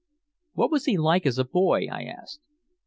"What was he like as a boy?" I asked.